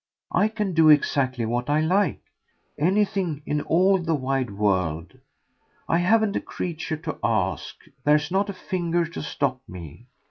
I can do exactly what I like anything in all the wide world. I haven't a creature to ask there's not a finger to stop me.